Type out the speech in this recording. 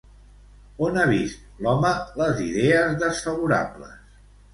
On ha vist, l'home, les idees desfavorables?